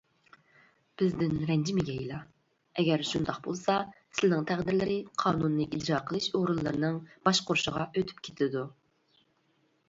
بىزدىن رەنجىمىگەيلا، ئەگەر شۇنداق بولسا سىلىنىڭ تەقدىرلىرى قانۇننى ئىجرا قىلىش ئورۇنلىرىنىڭ باشقۇرۇشىغا ئۆتۈپ كېتىدۇ.